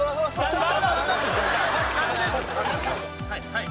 はい。